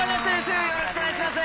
よろしくお願いします。